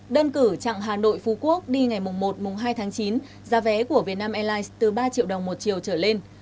đơn cử trạng hà nội phú quốc đi ngày mùng một mùng hai tháng chín giá vé của vietnam airlines từ ba triệu đồng một triệu trở lên